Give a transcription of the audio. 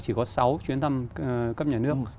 chỉ có sáu chuyến thăm cấp nhà nước